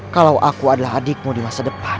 kalau aku adalah adikmu di masa depan